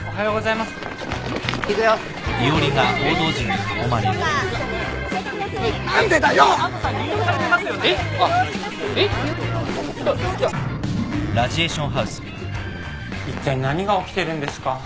いったい何が起きてるんですか？